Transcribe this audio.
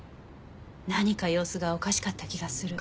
何か様子がおかしかった気がする。